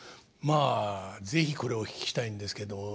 まあ是非これをお聞きしたいんですけど。